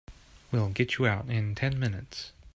We'll get you out in ten minutes.